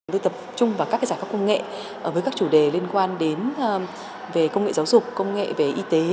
tôi tập trung vào các giải pháp công nghệ với các chủ đề liên quan đến về công nghệ giáo dục công nghệ về y tế